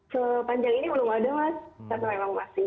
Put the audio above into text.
sepanjang ini belum ada mas